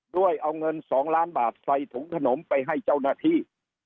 ด้วยเอาเงิน๒ล้านบาทใส่ถุงขนมไปให้เจ้าหน้าที่